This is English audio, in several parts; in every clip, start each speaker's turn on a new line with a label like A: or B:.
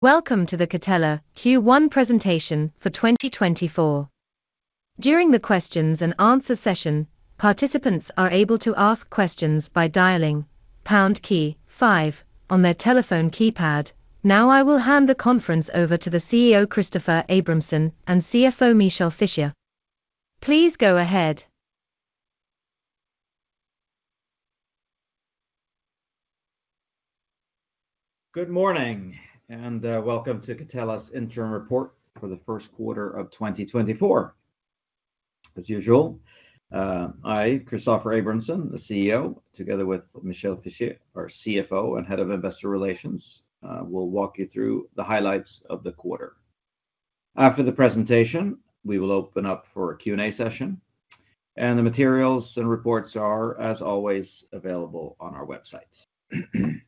A: Welcome to the Catella Q1 presentation for 2024. During the questions and answer session, participants are able to ask questions by dialing pound key 5 on their telephone keypad. Now, I will hand the conference over to the CEO, Christoffer Abramson, and CFO, Michel Fischier. Please go ahead.
B: Good morning, and welcome to Catella's interim report for the first quarter of 2024. As usual, I, Christoffer Abramson, the CEO, together with Michel Fischier, our CFO and Head of Investor Relations, will walk you through the highlights of the quarter. After the presentation, we will open up for a Q&A session, and the materials and reports are, as always, available on our website.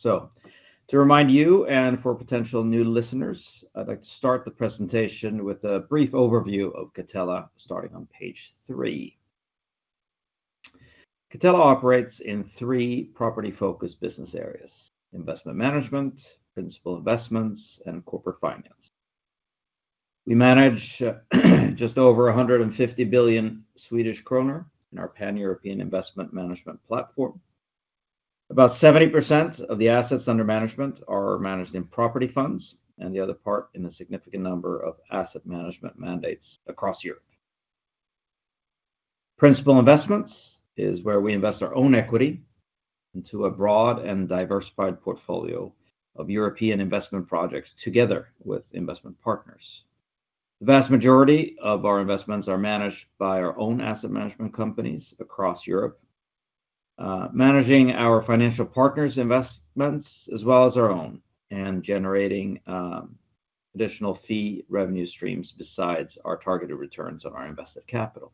B: So to remind you and for potential new listeners, I'd like to start the presentation with a brief overview of Catella, starting on page three. Catella operates in three property-focused business areas: investment management, principal investments, and corporate finance. We manage just over 150 billion Swedish kronor in our Pan-European investment management platform. About 70% of the assets under management are managed in property funds, and the other part in a significant number of asset management mandates across Europe. Principal Investments is where we invest our own equity into a broad and diversified portfolio of European investment projects together with investment partners. The vast majority of our investments are managed by our own asset management companies across Europe, managing our financial partners' investments as well as our own, and generating additional fee revenue streams besides our targeted returns on our invested capital.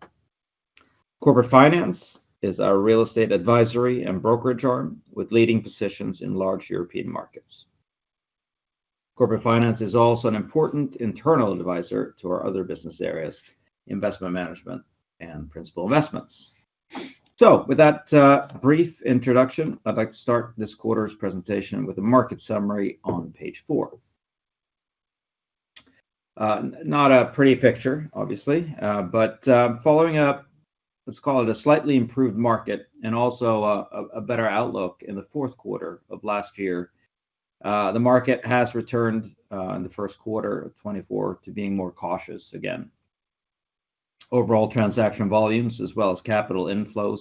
B: Corporate Finance is our real estate advisory and brokerage arm, with leading positions in large European markets. Corporate Finance is also an important internal advisor to our other business areas, Investment Management and Principal Investments. So with that, brief introduction, I'd like to start this quarter's presentation with a market summary on page four. Not a pretty picture, obviously, but following up, let's call it a slightly improved market and also a better outlook in the fourth quarter of last year, the market has returned, in the first quarter of 2024 to being more cautious again. Overall transaction volumes, as well as capital inflows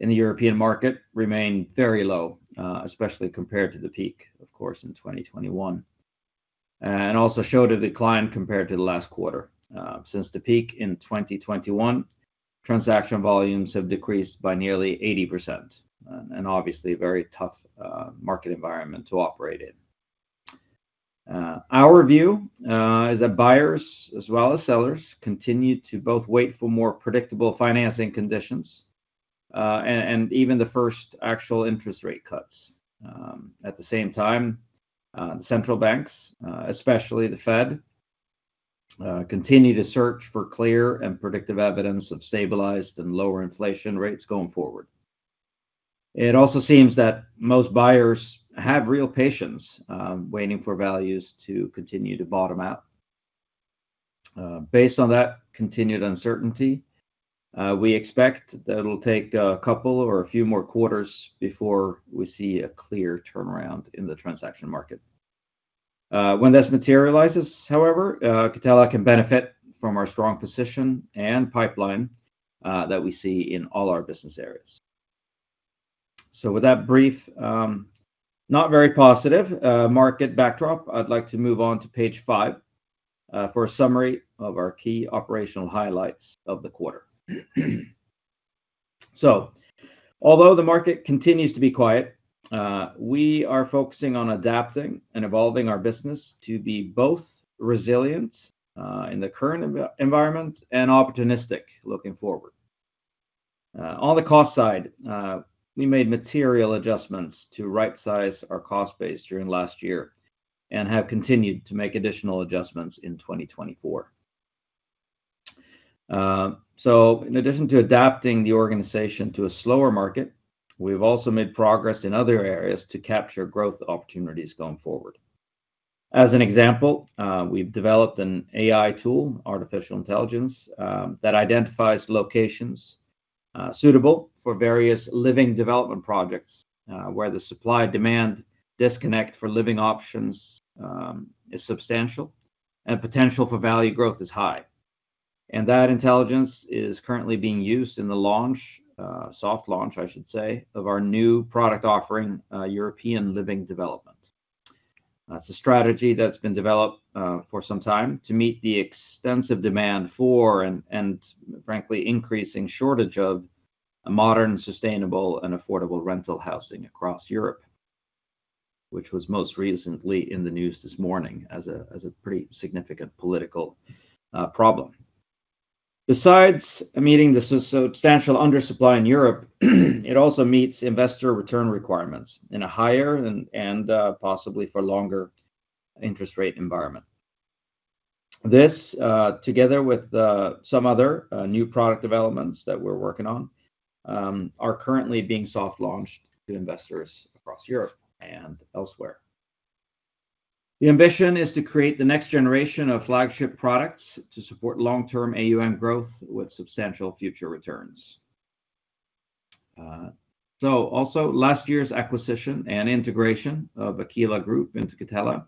B: in the European market, remain very low, especially compared to the peak, of course, in 2021, and also showed a decline compared to the last quarter. Since the peak in 2021, transaction volumes have decreased by nearly 80%, and obviously a very tough market environment to operate in. Our view is that buyers, as well as sellers, continue to both wait for more predictable financing conditions, and even the first actual interest rate cuts. At the same time, the central banks, especially the Fed, continue to search for clear and predictive evidence of stabilized and lower inflation rates going forward. It also seems that most buyers have real patience, waiting for values to continue to bottom out. Based on that continued uncertainty, we expect that it'll take a couple or a few more quarters before we see a clear turnaround in the transaction market. When this materializes, however, Catella can benefit from our strong position and pipeline, that we see in all our business areas. So with that brief, not very positive, market backdrop, I'd like to move on to page five, for a summary of our key operational highlights of the quarter. So although the market continues to be quiet, we are focusing on adapting and evolving our business to be both resilient in the current environment and opportunistic looking forward. On the cost side, we made material adjustments to rightsize our cost base during last year and have continued to make additional adjustments in 2024. So in addition to adapting the organization to a slower market, we've also made progress in other areas to capture growth opportunities going forward. As an example, we've developed an AI tool, artificial intelligence, that identifies locations suitable for various living development projects, where the supply-demand disconnect for living options is substantial and potential for value growth is high. And that intelligence is currently being used in the launch, soft launch, I should say, of our new product offering, European Living Development. That's a strategy that's been developed for some time to meet the extensive demand for and frankly increasing shortage of a modern, sustainable, and affordable rental housing across Europe, which was most recently in the news this morning as a pretty significant political problem. Besides meeting the substantial undersupply in Europe, it also meets investor return requirements in a higher and possibly for longer interest rate environment. This, together with some other new product developments that we're working on, are currently being soft launched to investors across Europe and elsewhere. The ambition is to create the next generation of flagship products to support long-term AUM growth with substantial future returns. So also, last year's acquisition and integration of Aquila Group into Catella,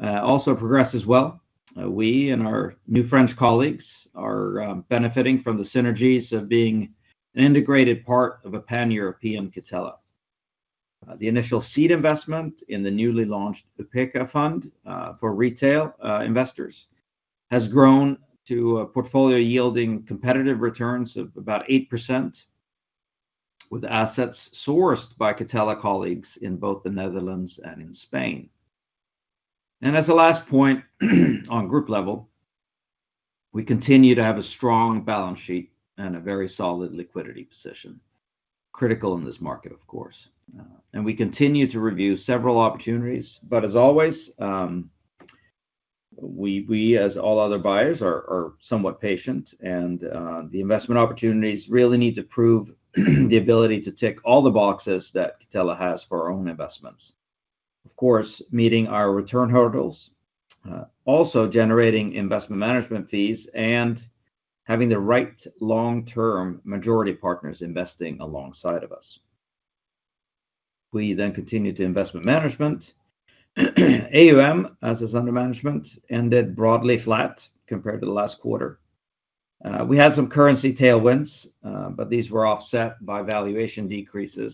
B: also progressed as well. We and our new French colleagues are benefiting from the synergies of being an integrated part of a Pan-European Catella. The initial seed investment in the newly launched Upêka Fund for retail investors has grown to a portfolio-yielding competitive returns of about 8%, with assets sourced by Catella colleagues in both the Netherlands and in Spain. And as a last point, on group level, we continue to have a strong balance sheet and a very solid liquidity position, critical in this market, of course. And we continue to review several opportunities, but as always, we as all other buyers are somewhat patient, and the investment opportunities really need to prove the ability to tick all the boxes that Catella has for our own investments. Of course, meeting our return hurdles, also generating investment management fees, and having the right long-term majority partners investing alongside of us. We then continue to investment management. AUM, Assets Under Management, ended broadly flat compared to the last quarter. We had some currency tailwinds, but these were offset by valuation decreases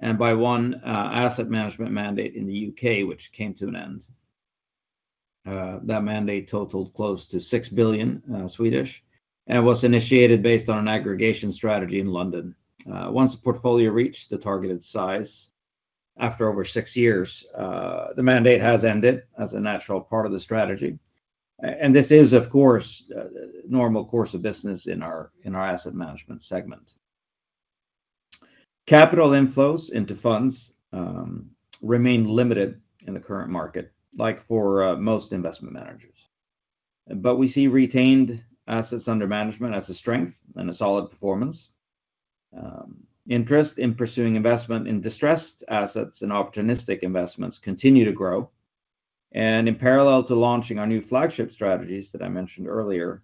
B: and by one asset management mandate in the U.K., which came to an end. That mandate totaled close to 6 billion and was initiated based on an aggregation strategy in London. Once the portfolio reached the targeted size, after over 6 years, the mandate has ended as a natural part of the strategy. And this is, of course, normal course of business in our asset management segment. Capital inflows into funds remain limited in the current market, like for most investment managers. But we see retained assets under management as a strength and a solid performance. Interest in pursuing investment in distressed assets and opportunistic investments continue to grow, and in parallel to launching our new flagship strategies that I mentioned earlier,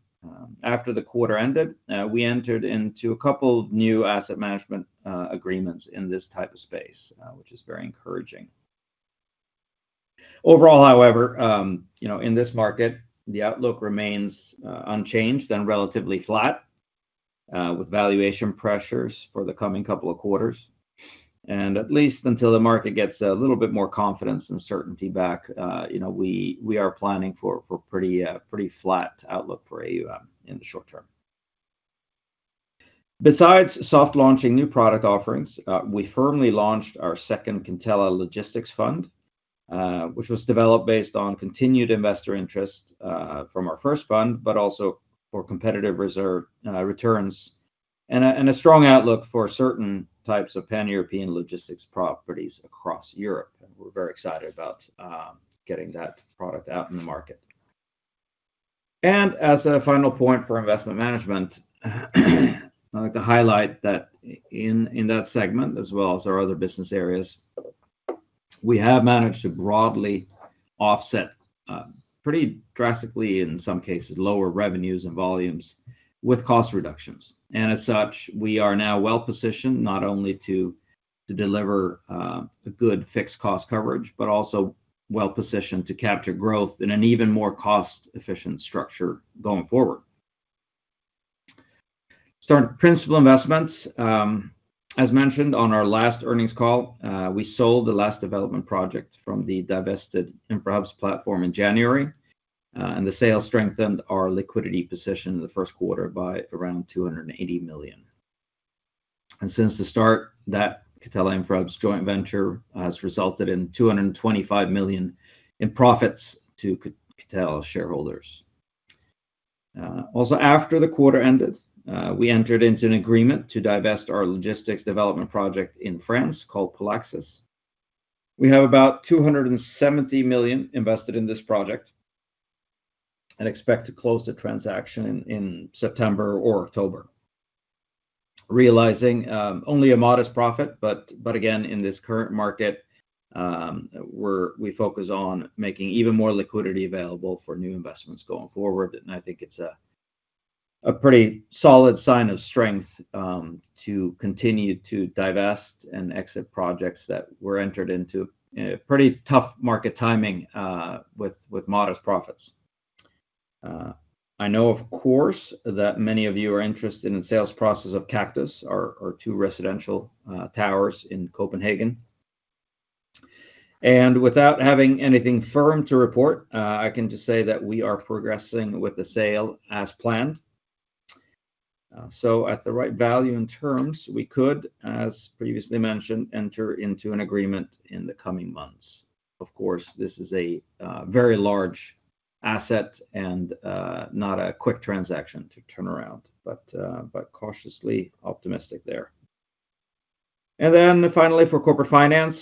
B: after the quarter ended, we entered into a couple new asset management agreements in this type of space, which is very encouraging. Overall, however, you know, in this market, the outlook remains unchanged and relatively flat, with valuation pressures for the coming couple of quarters. And at least until the market gets a little bit more confidence and certainty back, you know, we are planning for pretty flat outlook for AUM in the short term. Besides soft launching new product offerings, we firmly launched our second Catella Logistics Fund, which was developed based on continued investor interest from our first fund, but also for competitive reserve returns, and a strong outlook for certain types of Pan-European logistics properties across Europe. And we're very excited about getting that product out in the market. And as a final point for investment management, I'd like to highlight that in that segment, as well as our other business areas, we have managed to broadly offset pretty drastically, in some cases, lower revenues and volumes with cost reductions. And as such, we are now well positioned not only to deliver a good fixed cost coverage, but also well positioned to capture growth in an even more cost-efficient structure going forward. Our Principal Investments, as mentioned on our last earnings call, we sold the last development project from the divested Infrahubs platform in January, and the sale strengthened our liquidity position in the first quarter by around 280 million. Since the start, that Catella Infrahubs platform joint venture has resulted in 225 million in profits to Catella shareholders. Also, after the quarter ended, we entered into an agreement to divest our logistics development project in France called Polaxis. We have about 270 million invested in this project and expect to close the transaction in September or October. Realizing only a modest profit, but again, in this current market, we focus on making even more liquidity available for new investments going forward. I think it's a pretty solid sign of strength to continue to divest and exit projects that were entered into in a pretty tough market timing with modest profits. I know, of course, that many of you are interested in the sales process of Kaktus Towers, our two residential towers in Copenhagen. Without having anything firm to report, I can just say that we are progressing with the sale as planned. So at the right value and terms, we could, as previously mentioned, enter into an agreement in the coming months. Of course, this is a very large asset and not a quick transaction to turn around, but cautiously optimistic there. And then finally, for Corporate Finance,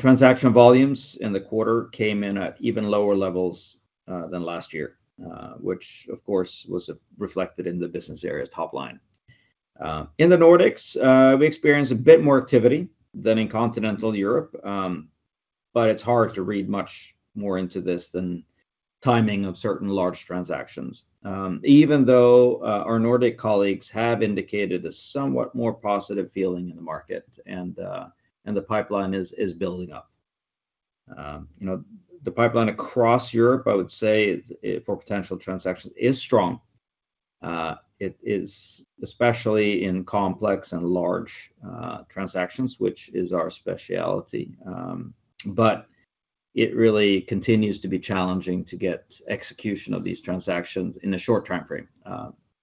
B: transaction volumes in the quarter came in at even lower levels than last year, which, of course, was reflected in the business area's top line. In the Nordics, we experienced a bit more activity than in Continental Europe, but it's hard to read much more into this than timing of certain large transactions. Even though our Nordic colleagues have indicated a somewhat more positive feeling in the market, and the pipeline is building up. You know, the pipeline across Europe, I would say, is for potential transactions, is strong. It is especially in complex and large transactions, which is our specialty. But it really continues to be challenging to get execution of these transactions in a short time frame.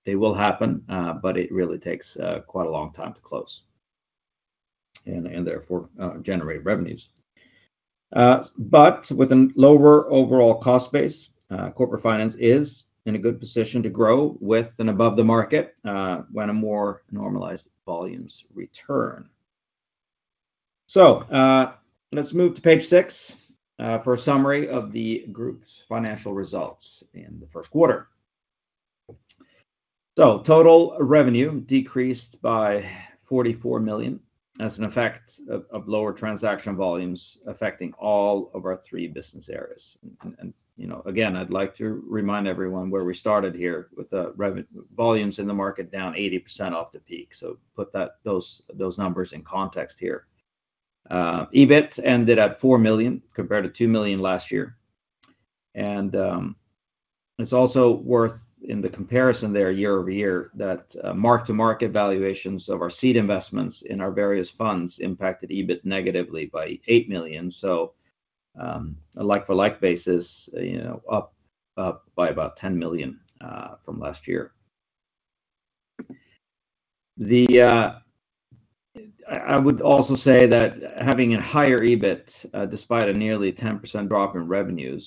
B: They will happen, but it really takes quite a long time to close and therefore generate revenues. But with a lower overall cost base, Corporate Finance is in a good position to grow with and above the market, when a more normalized volumes return. So, let's move to page six for a summary of the group's financial results in the first quarter. So total revenue decreased by 44 million. That's an effect of lower transaction volumes affecting all of our three business areas. And, you know, again, I'd like to remind everyone where we started here with the volumes in the market down 80% off the peak. So put those numbers in context here. EBIT ended at 4 million, compared to 2 million last year. It's also worth, in the comparison there, year-over-year, that mark-to-market valuations of our seed investments in our various funds impacted EBIT negatively by 8 million. So, a like-for-like basis, you know, up by about 10 million from last year. I would also say that having a higher EBIT despite a nearly 10% drop in revenues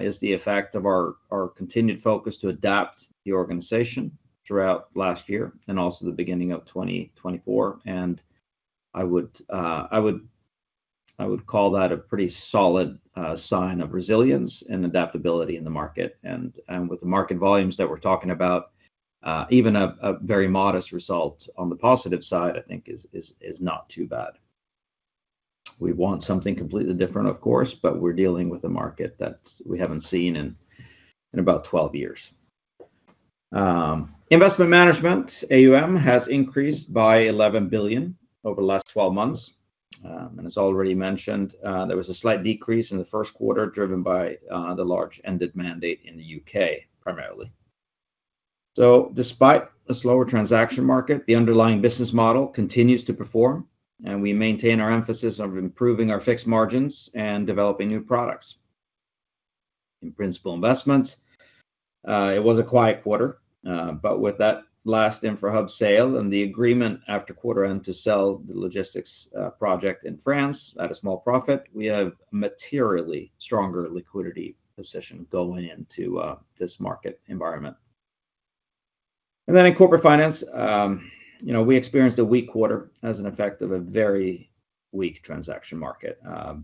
B: is the effect of our continued focus to adapt the organization throughout last year and also the beginning of 2024. And I would call that a pretty solid sign of resilience and adaptability in the market. And with the market volumes that we're talking about, even a very modest result on the positive side, I think, is not too bad. We want something completely different, of course, but we're dealing with a market that we haven't seen in about 12 years. Investment management, AUM, has increased by 11 billion over the last 12 months. And as already mentioned, there was a slight decrease in the first quarter, driven by the large ended mandate in the U.K., primarily. So despite a slower transaction market, the underlying business model continues to perform, and we maintain our emphasis on improving our fixed margins and developing new products. In principal investments, it was a quiet quarter, but with that last Infrahubs sale and the agreement after quarter end to sell the logistics project in France at a small profit, we have a materially stronger liquidity position going into this market environment. And then in corporate finance, you know, we experienced a weak quarter as an effect of a very weak transaction market.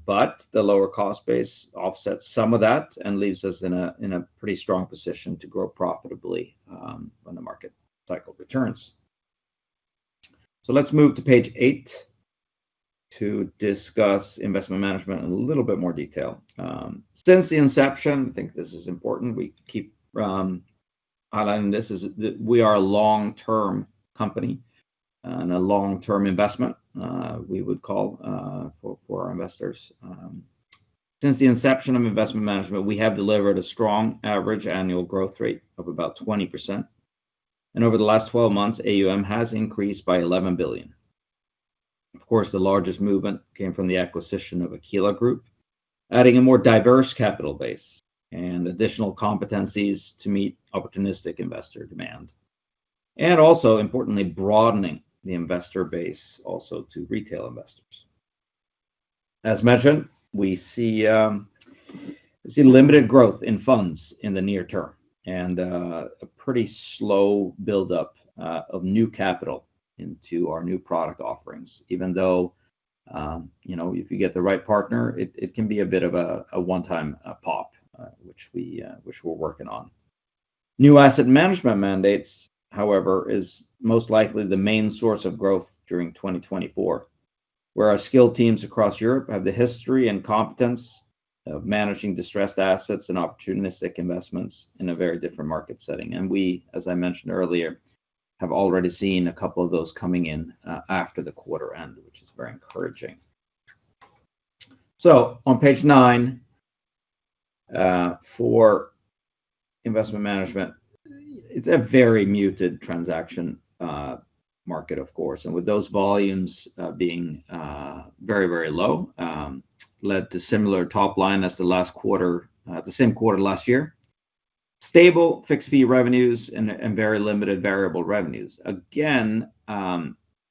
B: But the lower cost base offsets some of that and leaves us in a pretty strong position to grow profitably, when the market cycle returns. So let's move to page eight to discuss investment management in a little bit more detail. Since the inception, I think this is important, we keep highlighting this, is that we are a long-term company and a long-term investment we would call for our investors. Since the inception of investment management, we have delivered a strong average annual growth rate of about 20%, and over the last 12 months, AUM has increased by 11 billion. Of course, the largest movement came from the acquisition of Aquila Group, adding a more diverse capital base and additional competencies to meet opportunistic investor demand, and also importantly, broadening the investor base also to retail investors. As mentioned, we see limited growth in funds in the near term and a pretty slow buildup of new capital into our new product offerings, even though you know, if you get the right partner, it can be a bit of a one-time pop which we're working on. New asset management mandates, however, is most likely the main source of growth during 2024, where our skilled teams across Europe have the history and competence of managing distressed assets and opportunistic investments in a very different market setting. We, as I mentioned earlier, have already seen a couple of those coming in after the quarter end, which is very encouraging. On page nine, for investment management, it's a very muted transaction market, of course, and with those volumes being very, very low, led to similar top line as the last quarter, the same quarter last year. Stable fixed fee revenues and very limited variable revenues. Again,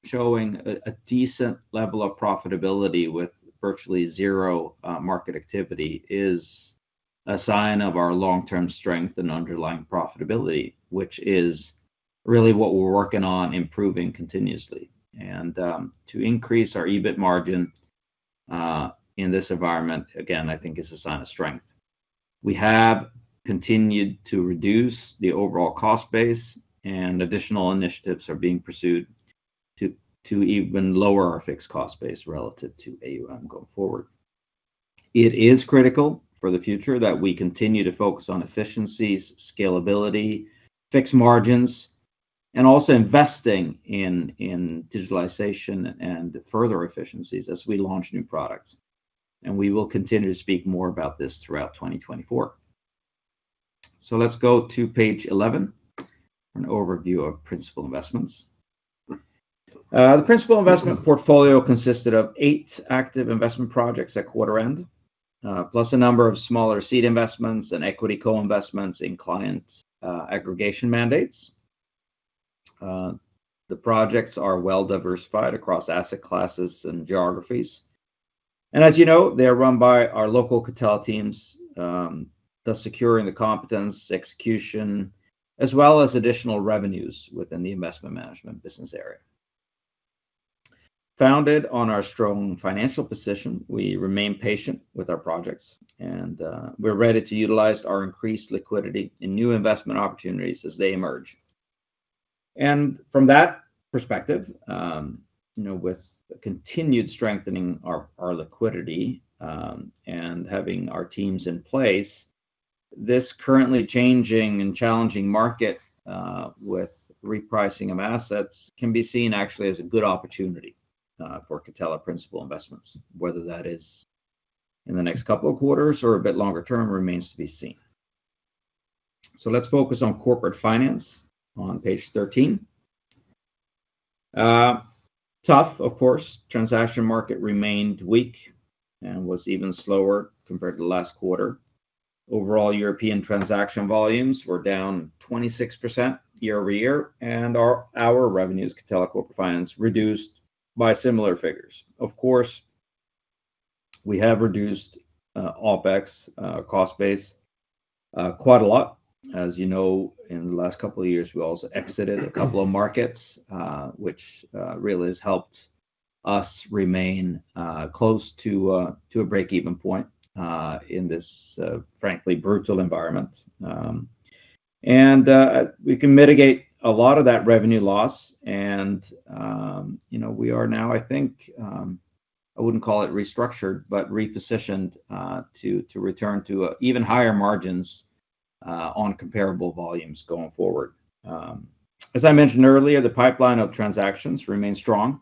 B: showing a decent level of profitability with virtually 0 market activity is a sign of our long-term strength and underlying profitability, which is really what we're working on improving continuously. To increase our EBIT margin in this environment, again, I think is a sign of strength. We have continued to reduce the overall cost base, and additional initiatives are being pursued to even lower our fixed cost base relative to AUM going forward. It is critical for the future that we continue to focus on efficiencies, scalability, fixed margins, and also investing in digitalization and further efficiencies as we launch new products. We will continue to speak more about this throughout 2024. Let's go to page 11, an overview of Principal Investments. The Principal Investments portfolio consisted of eight active investment projects at quarter end, plus a number of smaller seed investments and equity co-investments in clients' aggregation mandates. The projects are well diversified across asset classes and geographies, and as you know, they are run by our local Catella teams, thus securing the competence, execution, as well as additional revenues within the Investment Management business area. Founded on our strong financial position, we remain patient with our projects, and, we're ready to utilize our increased liquidity in new investment opportunities as they emerge. And from that perspective, you know, with the continued strengthening our, our liquidity, and having our teams in place, this currently changing and challenging market, with repricing of assets, can be seen actually as a good opportunity, for Catella principal investments. Whether that is in the next couple of quarters or a bit longer term, remains to be seen. So let's focus on corporate finance on page 13. Tough, of course, transaction market remained weak and was even slower compared to last quarter. Overall, European transaction volumes were down 26% year-over-year, and our, our revenues, Catella Corporate Finance, reduced by similar figures. Of course, we have reduced OpEx cost base quite a lot. As you know, in the last couple of years, we also exited a couple of markets, which really has helped us remain close to a break-even point in this frankly brutal environment. And we can mitigate a lot of that revenue loss, and you know, we are now, I think I wouldn't call it restructured, but repositioned to return to even higher margins on comparable volumes going forward. As I mentioned earlier, the pipeline of transactions remains strong,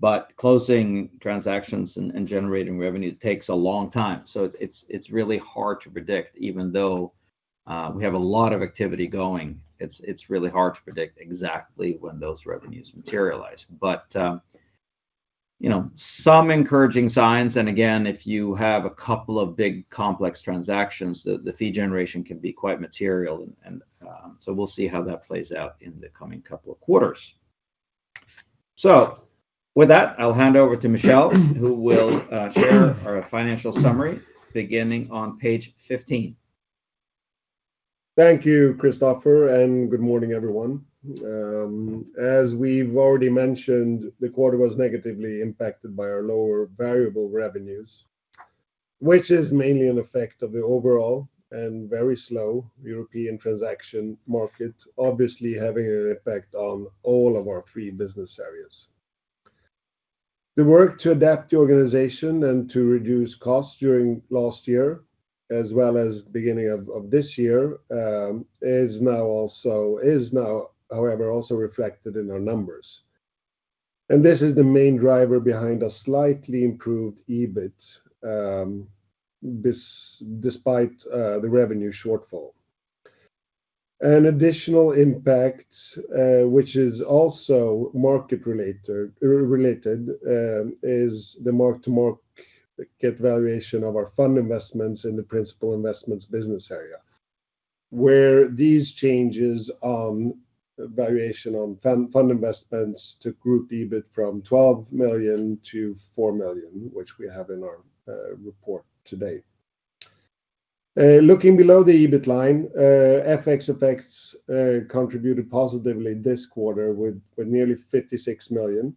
B: but closing transactions and generating revenues takes a long time. So it's really hard to predict, even though we have a lot of activity going, it's really hard to predict exactly when those revenues materialize. But, you know, some encouraging signs, and again, if you have a couple of big, complex transactions, the fee generation can be quite material, and so we'll see how that plays out in the coming couple of quarters. So with that, I'll hand over to Michel, who will share our financial summary beginning on page 15.
C: Thank you, Christoffer, and good morning, everyone. As we've already mentioned, the quarter was negatively impacted by our lower variable revenues, which is mainly an effect of the overall and very slow European transaction market, obviously having an effect on all of our 3 business areas. The work to adapt the organization and to reduce costs during last year, as well as beginning of this year, is now, however, also reflected in our numbers. And this is the main driver behind a slightly improved EBIT, despite the revenue shortfall. An additional impact, which is also market related, is the mark-to-market valuation of our fund investments in the principal investments business area, where these changes on valuation on fund investments to group EBIT from 12 million to 4 million, which we have in our report today. Looking below the EBIT line, FX effects contributed positively this quarter with nearly 56 million.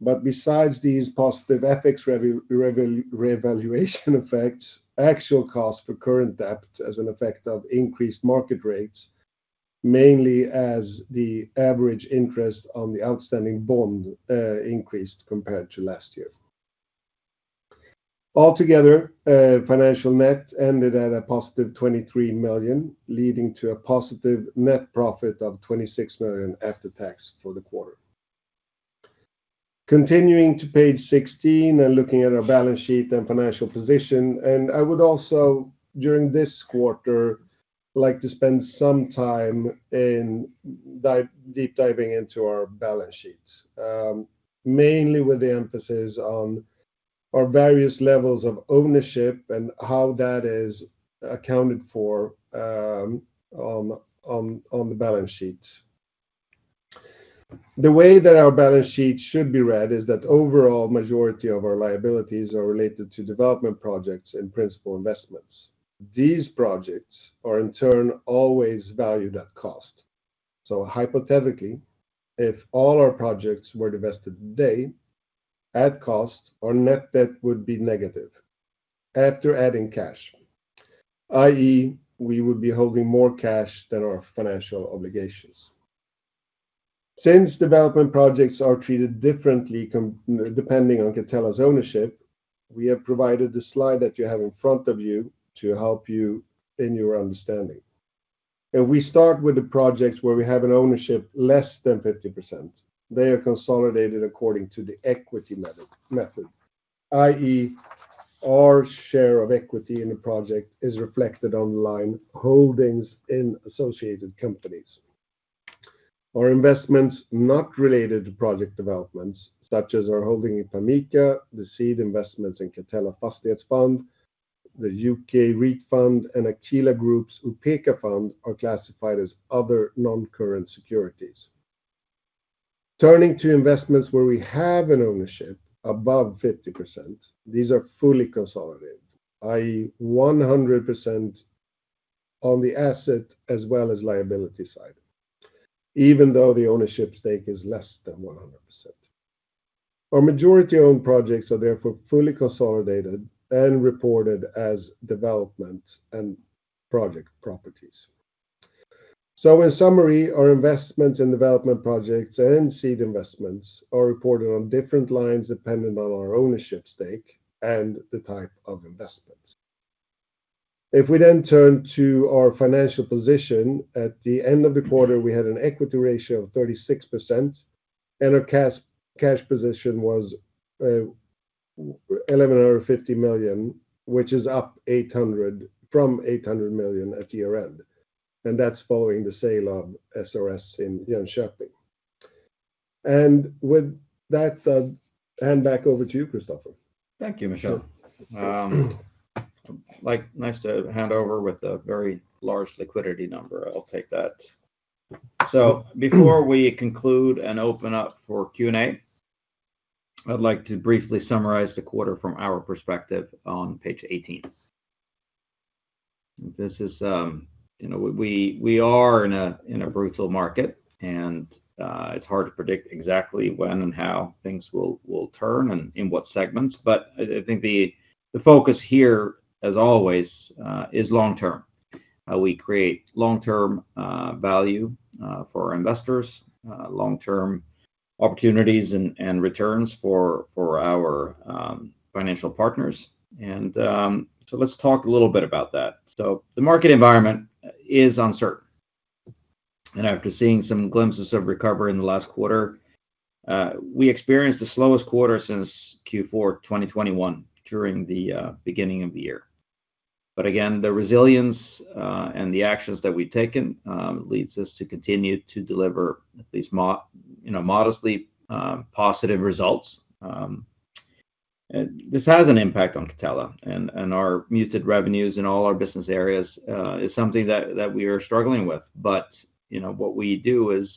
C: But besides these positive FX revaluation effects, actual cost for current debt as an effect of increased market rates, mainly as the average interest on the outstanding bond increased compared to last year. Altogether, financial net ended at a positive 23 million, leading to a positive net profit of 26 million after tax for the quarter. Continuing to page 16 and looking at our balance sheet and financial position, and I would also, during this quarter, like to spend some time deep diving into our balance sheets, mainly with the emphasis on our various levels of ownership and how that is accounted for, on the balance sheets. The way that our balance sheet should be read is that overall, majority of our liabilities are related to development projects and principal investments. These projects are in turn always valued at cost. So hypothetically, if all our projects were divested today, at cost, our net debt would be negative after adding cash, i.e., we would be holding more cash than our financial obligations. Since development projects are treated differently depending on Catella's ownership, we have provided the slide that you have in front of you to help you in your understanding. If we start with the projects where we have an ownership less than 50%, they are consolidated according to the equity method, i.e., our share of equity in a project is reflected on the line holdings in associated companies. Our investments not related to project developments, such as our holding in Pamica, the seed investments in Catella Fastighetsfond, the UK REIT fund, and Aquila Group's Upêka Fund, are classified as other non-current securities. Turning to investments where we have an ownership above 50%, these are fully consolidated, i.e., 100% on the asset as well as liability side, even though the ownership stake is less than 100%. Our majority-owned projects are therefore fully consolidated and reported as development and project properties. So in summary, our investments in development projects and seed investments are reported on different lines, depending on our ownership stake and the type of investment. If we then turn to our financial position, at the end of the quarter, we had an equity ratio of 36%, and our cash, cash position was 1,150 million, which is up eight hundred from 800 million at year-end, and that's following the sale of SRS in Jönköping. And with that, hand back over to you, Christoffer.
B: Thank you, Michel.
C: Sure.
B: Like, nice to hand over with a very large liquidity number. I'll take that. So before we conclude and open up for Q&A, I'd like to briefly summarize the quarter from our perspective on page 18. We are in a brutal market, and it's hard to predict exactly when and how things will turn and in what segments, but I think the focus here, as always, is long term. We create long-term value for our investors, long-term opportunities and returns for our financial partners. And so let's talk a little bit about that. So the market environment is uncertain, and after seeing some glimpses of recovery in the last quarter, we experienced the slowest quarter since Q4 2021, during the beginning of the year. But again, the resilience and the actions that we've taken leads us to continue to deliver these modestly positive results. And this has an impact on Catella, and our muted revenues in all our business areas is something that we are struggling with. But, you know, what we do is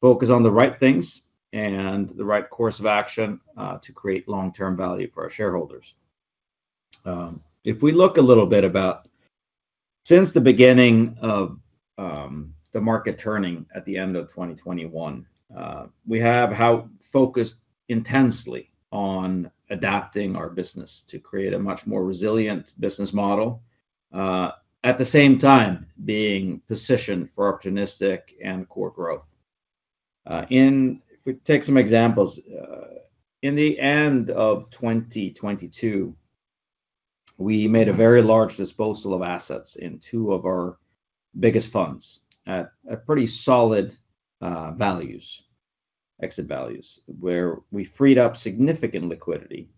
B: focus on the right things and the right course of action to create long-term value for our shareholders. If we look a little bit about since the beginning of the market turning at the end of 2021, we have how focused intensely on adapting our business to create a much more resilient business model, at the same time, being positioned for opportunistic and core growth. If we take some examples, in the end of 2022, we made a very large disposal of assets in two of our biggest funds at pretty solid values, exit values, where we freed up significant liquidity,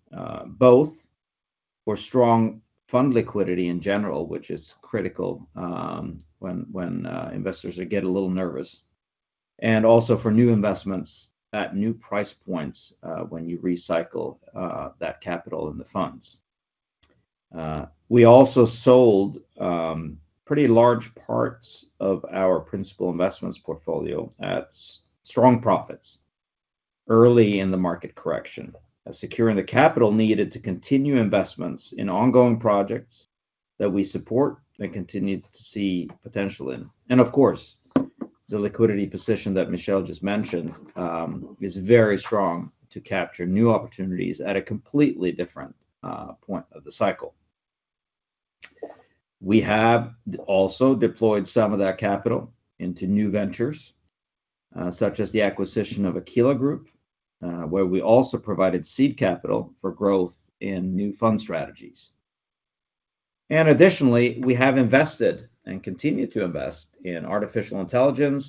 B: both for strong fund liquidity in general, which is critical, when investors get a little nervous, and also for new investments at new price points, when you recycle that capital in the funds. We also sold pretty large parts of our Principal Investments portfolio at strong profits early in the market correction, securing the capital needed to continue investments in ongoing projects that we support and continue to see potential in. And of course, the liquidity position that Michel just mentioned is very strong to capture new opportunities at a completely different point of the cycle. We have also deployed some of that capital into new ventures, such as the acquisition of Aquila Group, where we also provided seed capital for growth in new fund strategies. Additionally, we have invested and continue to invest in artificial intelligence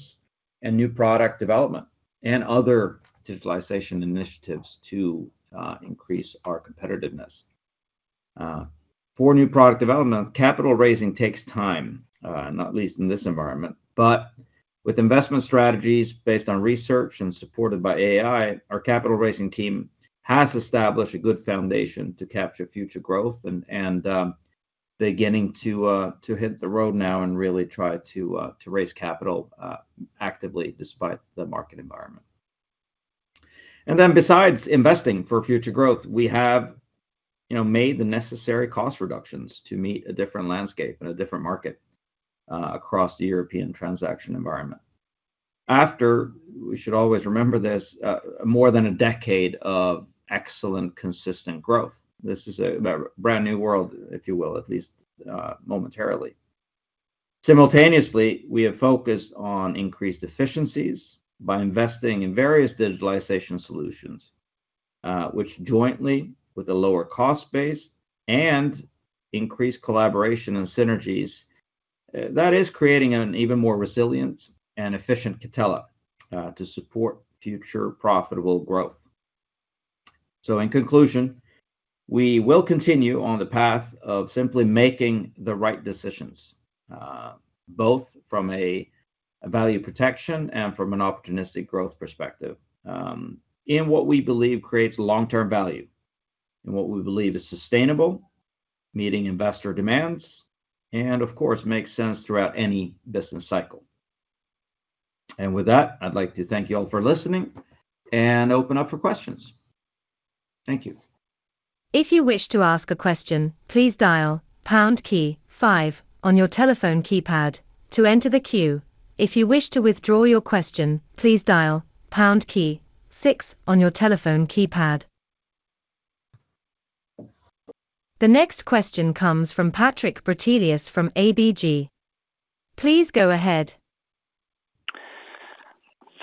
B: and new product development and other digitalization initiatives to increase our competitiveness. For new product development, capital raising takes time, not least in this environment, but with investment strategies based on research and supported by AI, our capital raising team has established a good foundation to capture future growth and beginning to hit the road now and really try to raise capital actively despite the market environment. And then besides investing for future growth, we have, you know, made the necessary cost reductions to meet a different landscape and a different market across the European transaction environment. After, we should always remember this, more than a decade of excellent consistent growth. This is a brand new world, if you will, at least, momentarily. Simultaneously, we have focused on increased efficiencies by investing in various digitalization solutions, which jointly, with a lower cost base and increased collaboration and synergies, that is creating an even more resilient and efficient Catella, to support future profitable growth. So in conclusion, we will continue on the path of simply making the right decisions, both from a value protection and from an opportunistic growth perspective, in what we believe creates long-term value, in what we believe is sustainable, meeting investor demands, and of course, makes sense throughout any business cycle. And with that, I'd like to thank you all for listening and open up for questions. Thank you.
A: If you wish to ask a question, please dial pound key five on your telephone keypad to enter the queue. If you wish to withdraw your question, please dial pound key six on your telephone keypad. The next question comes from Patrik Brattelius from ABG. Please go ahead.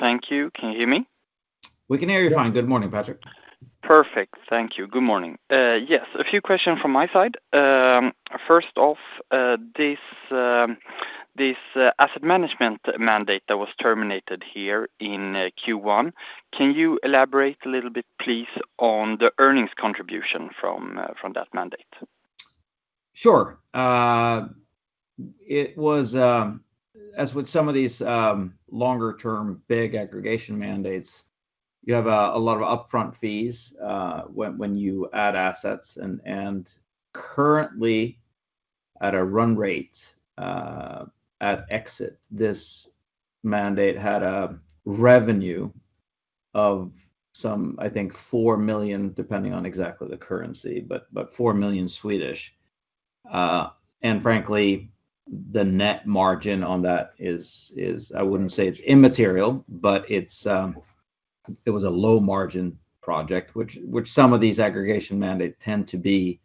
D: Thank you. Can you hear me?
B: We can hear you fine. Good morning, Patrik.
D: Perfect. Thank you. Good morning. Yes, a few questions from my side. First off, this asset management mandate that was terminated here in Q1, can you elaborate a little bit, please, on the earnings contribution from that mandate?
B: Sure. It was, as with some of these longer-term, big aggregation mandates, you have a lot of upfront fees when you add assets, and currently, at a run rate, at exit, this mandate had a revenue of some, I think, 4 million, depending on exactly the currency, but four million Swedish. And frankly, the net margin on that is, I wouldn't say it's immaterial, but it's it was a low margin project, which some of these aggregation mandates tend to be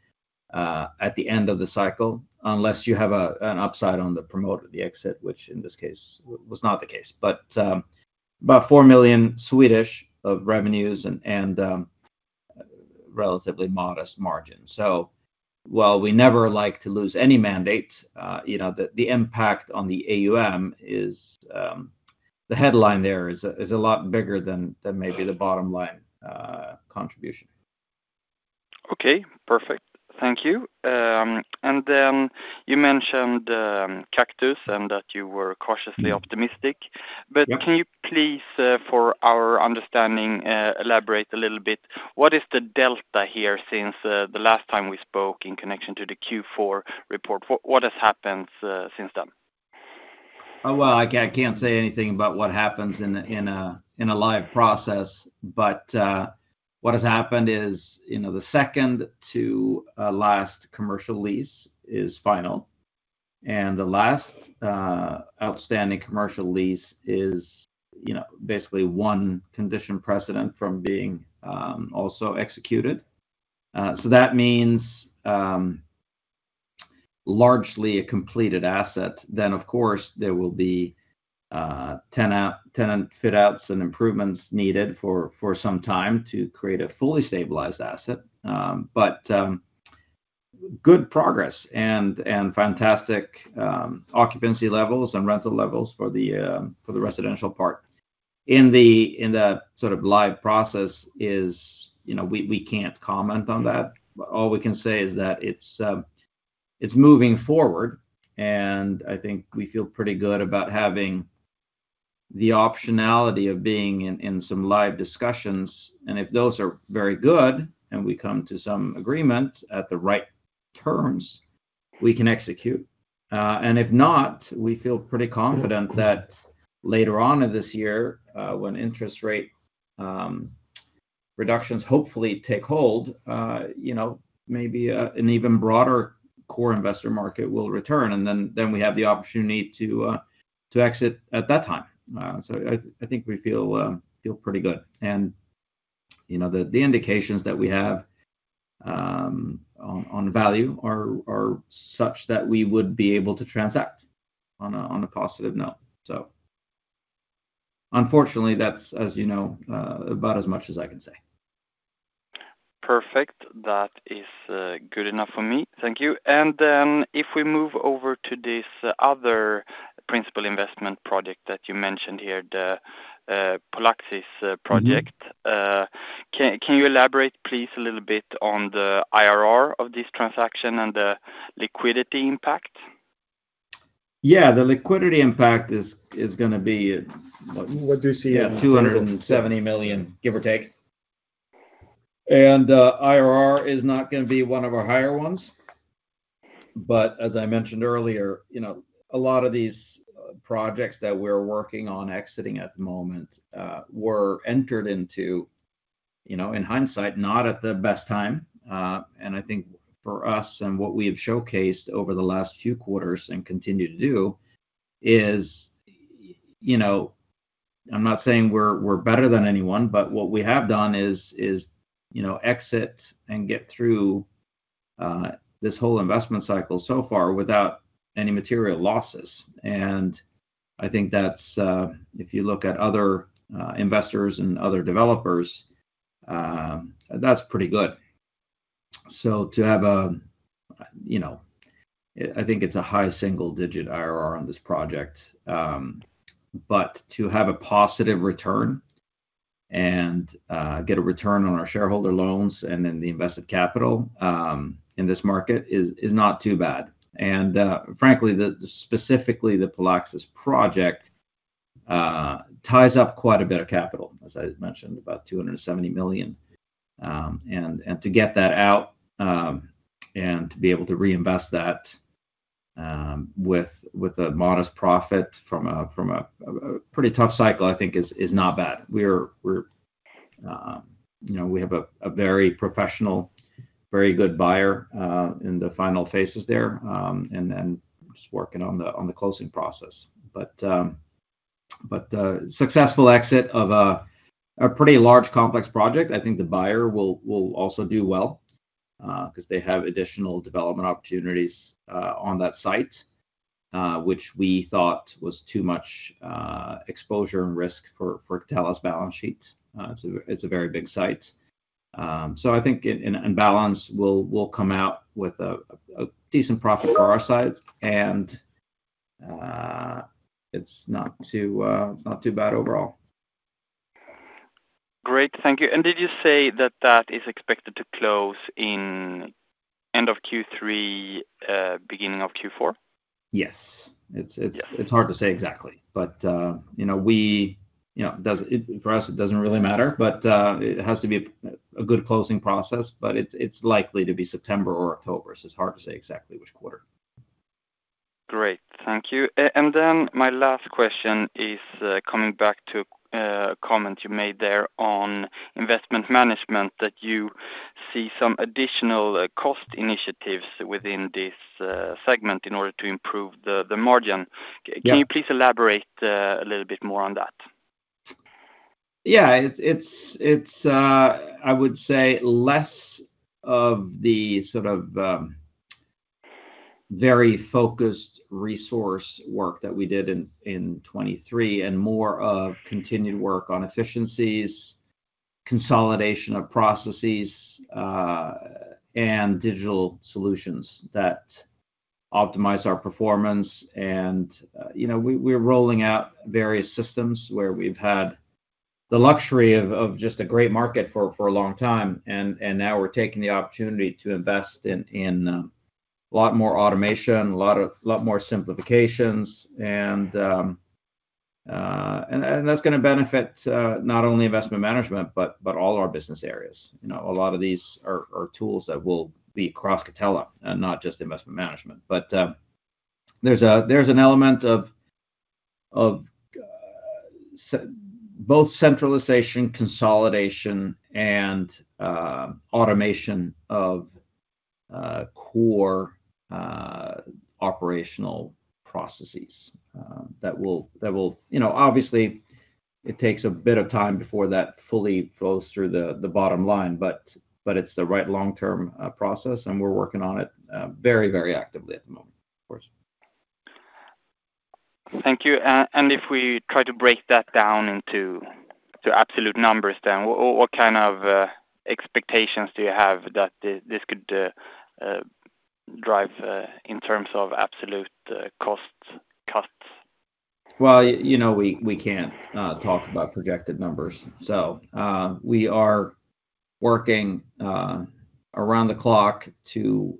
B: at the end of the cycle, unless you have an upside on the promote of the exit, which in this case, was not the case. But, about 4 million of revenues and relatively modest margin. So while we never like to lose any mandate, you know, the impact on the AUM is the headline there is a lot bigger than maybe the bottom line contribution.
D: Okay, perfect. Thank you. And then you mentioned Kaktus and that you were cautiously optimistic.
B: Yeah.
D: But can you please, for our understanding, elaborate a little bit, what is the delta here since the last time we spoke in connection to the Q4 report? What has happened since then?
B: Well, I can't say anything about what happens in a live process, but what has happened is, you know, the second to last commercial lease is final, and the last outstanding commercial lease is, you know, basically one condition precedent from being also executed. So that means largely a completed asset. Then, of course, there will be tenant fit outs and improvements needed for some time to create a fully stabilized asset. But good progress and fantastic occupancy levels and rental levels for the residential part. In the sort of live process, you know, we can't comment on that. All we can say is that it's moving forward, and I think we feel pretty good about having the optionality of being in some live discussions. And if those are very good and we come to some agreement at the right terms, we can execute. And if not, we feel pretty confident that later on in this year, when interest rate reductions hopefully take hold, you know, maybe an even broader core investor market will return, and then we have the opportunity to exit at that time. So I think we feel pretty good. And, you know, the indications that we have on value are such that we would be able to transact on a positive note. Unfortunately, that's, as you know, about as much as I can say.
D: Perfect. That is, good enough for me. Thank you. And then, if we move over to this other principal investment project that you mentioned here, the, Polaxis, project.
B: Mm-hmm.
D: Can you elaborate, please, a little bit on the IRR of this transaction and the liquidity impact?
B: Yeah, the liquidity impact is gonna be-
D: What do you see in-
B: 270 million, give or take. IRR is not gonna be one of our higher ones. But as I mentioned earlier, you know, a lot of these projects that we're working on exiting at the moment were entered into in hindsight, not at the best time. And I think for us and what we have showcased over the last few quarters and continue to do is, you know, I'm not saying we're better than anyone, but what we have done is, you know, exit and get through this whole investment cycle so far without any material losses. And I think that's, if you look at other investors and other developers, that's pretty good. So to have a, you know, I think it's a high single-digit IRR on this project. But to have a positive return and get a return on our shareholder loans and then the invested capital in this market is not too bad. And frankly, specifically, the Polaxis project ties up quite a bit of capital, as I mentioned, 270 million. And to get that out and to be able to reinvest that with a modest profit from a pretty tough cycle, I think is not bad. We're you know, we have a very professional, very good buyer in the final phases there and then just working on the closing process. But successful exit of a pretty large, complex project. I think the buyer will also do well because they have additional development opportunities on that site which we thought was too much exposure and risk for Catella's balance sheets. It's a very big site. So I think in balance we'll come out with a decent profit for our side, and it's not too bad overall.
D: Great, thank you. And did you say that that is expected to close in end of Q3, beginning of Q4?
B: Yes.
D: Yeah.
B: It's hard to say exactly, but you know, for us, it doesn't really matter, but it has to be a good closing process, but it's likely to be September or October. It's hard to say exactly which quarter.
D: Great, thank you. And then my last question is, coming back to comment you made there on investment management, that you see some additional cost initiatives within this segment in order to improve the margin.
B: Yeah.
D: Can you please elaborate, a little bit more on that?
B: Yeah, it's I would say less of the sort of very focused resource work that we did in 2023, and more of continued work on efficiencies, consolidation of processes, and digital solutions that optimize our performance. And you know, we're rolling out various systems where we've had the luxury of just a great market for a long time. And now we're taking the opportunity to invest in a lot more automation, a lot more simplifications. And that's gonna benefit not only investment management, but all our business areas. You know, a lot of these are tools that will be across Catella and not just investment management. But, there's an element of both centralization, consolidation, and automation of core operational processes that will, that will obviously, it takes a bit of time before that fully flows through the bottom line, but it's the right long-term process, and we're working on it very, very actively at the moment, of course.
D: Thank you. And if we try to break that down into absolute numbers, then what kind of expectations do you have that this could drive in terms of absolute cost cuts?
B: Well, you know, we can't talk about projected numbers. So, we are working around the clock to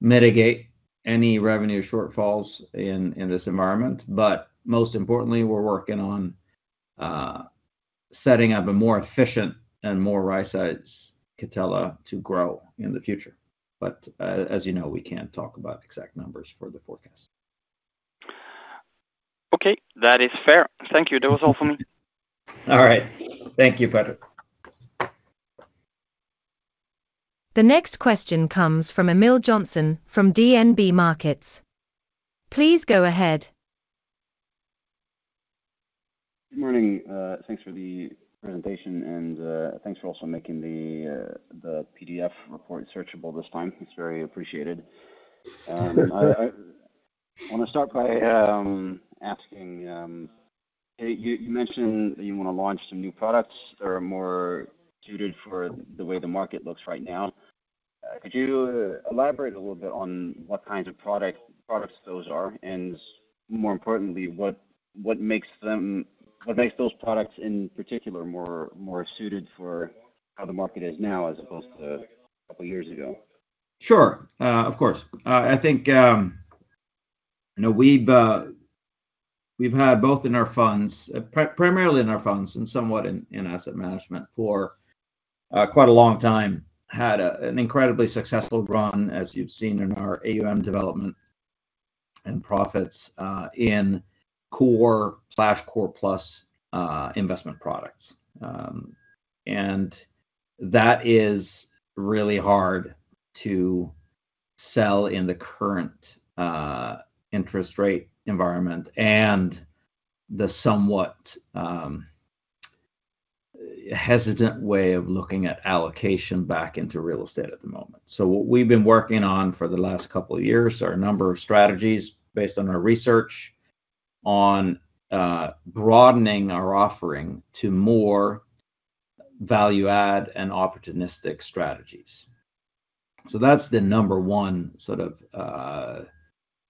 B: mitigate any revenue shortfalls in this environment. But most importantly, we're working on setting up a more efficient and more rightsize Catella to grow in the future. But as you know, we can't talk about exact numbers for the forecast.
D: Okay, that is fair. Thank you. That was all for me.
B: All right. Thank you, Patrik.
A: The next question comes from Emil Jonsson from DNB Markets. Please go ahead.
E: Good morning, thanks for the presentation, and thanks for also making the PDF report searchable this time. It's very appreciated. I wanna start by asking you, you mentioned that you wanna launch some new products that are more suited for the way the market looks right now. Could you elaborate a little bit on what kinds of products those are, and more importantly, what makes those products, in particular, more suited for how the market is now, as opposed to a couple of years ago?
B: Sure, of course. I think, you know, we've had both in our funds, primarily in our funds and somewhat in asset management for quite a long time, had an incredibly successful run, as you've seen in our AUM development and profits, in core/core plus investment products. And that is really hard to sell in the current interest rate environment and the somewhat hesitant way of looking at allocation back into real estate at the moment. So what we've been working on for the last couple of years are a number of strategies based on our research on broadening our offering to more value add and opportunistic strategies. So that's the number one sort of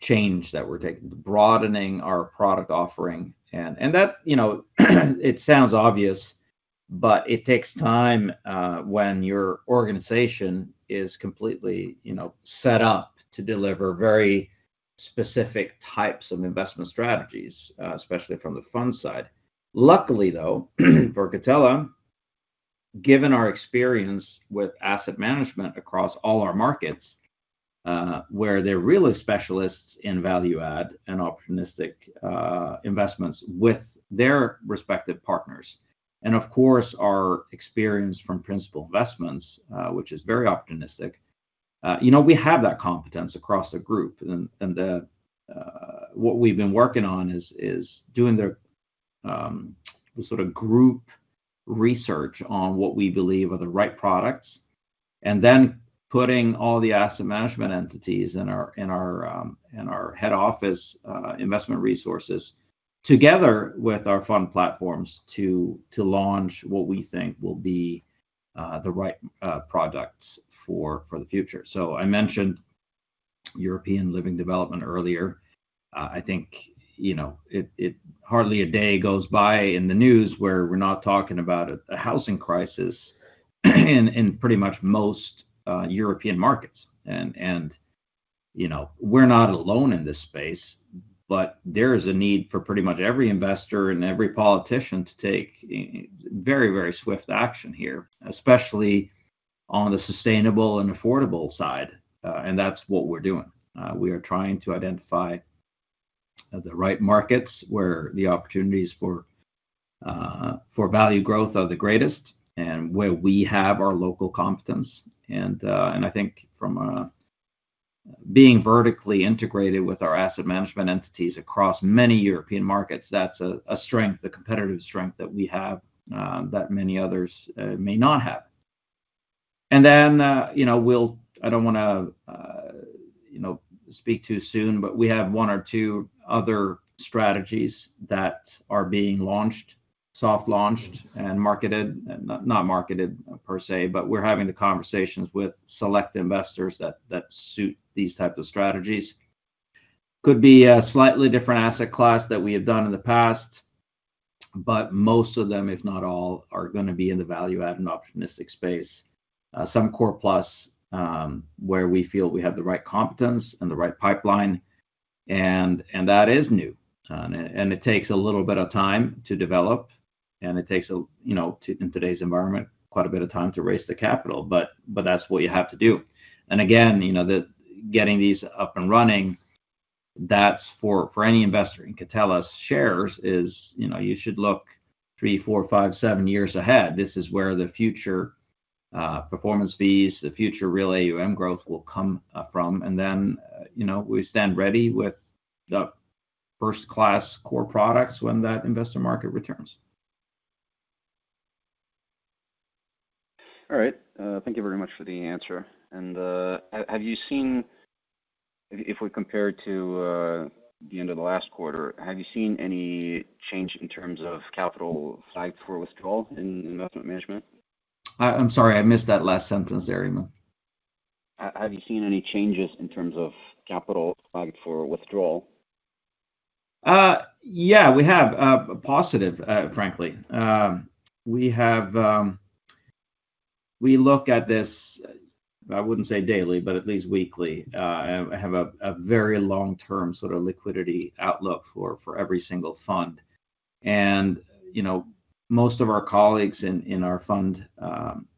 B: change that we're taking, broadening our product offering. That, you know, it sounds obvious, but it takes time, when your organization is completely, you know, set up to deliver very specific types of investment strategies, especially from the fund side. Luckily, though, for Catella, given our experience with asset management across all our markets, where they're really specialists in value add and opportunistic investments with their respective partners, and of course, our experience from principal investments, which is very opportunistic, you know, we have that competence across the group. What we've been working on is doing the sort of group research on what we believe are the right products, and then putting all the asset management entities in our head office investment resources, together with our fund platforms, to launch what we think will be the right products for the future. So I mentioned European Living Development earlier. I think, you know, it hardly a day goes by in the news where we're not talking about a housing crisis in pretty much most European markets. And you know, we're not alone in this space, but there is a need for pretty much every investor and every politician to take very, very swift action here, especially on the sustainable and affordable side, and that's what we're doing. We are trying to identify the right markets, where the opportunities for value growth are the greatest, and where we have our local competence. And I think from being vertically integrated with our asset management entities across many European markets, that's a strength, a competitive strength that we have, that many others may not have. And then, you know, we'll—I don't wanna, you know, speak too soon, but we have one or two other strategies that are being launched, soft launched and marketed, not marketed per se, but we're having the conversations with select investors that suit these types of strategies. Could be a slightly different asset class that we have done in the past, but most of them, if not all, are gonna be in the value add and opportunistic space. Some core plus, where we feel we have the right competence and the right pipeline, and that is new. And it takes a little bit of time to develop, and it takes a, you know, in today's environment, quite a bit of time to raise the capital, but that's what you have to do. And again, you know, the getting these up and running, that's for any investor in Catella's shares is, you know, you should look three, four, five, seven years ahead. This is where the future performance fees, the future real AUM growth will come from. And then, you know, we stand ready with the first-class core products when that investor market returns.
E: All right. Thank you very much for the answer. And, have you seen if we compare to the end of the last quarter, have you seen any change in terms of capital flight for withdrawal in investment management?
B: I'm sorry, I missed that last sentence there, Emil.
E: Have you seen any changes in terms of capital flight for withdrawal?
B: Yeah, we have positive, frankly. We look at this. I wouldn't say daily, but at least weekly, have a very long-term sort of liquidity outlook for every single fund. And, you know, most of our colleagues in our fund